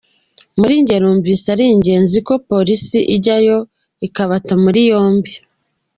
"Muri jye numvise ari ingenzi ko polisi ijyayo ikabata muri yombi.